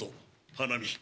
「花見」。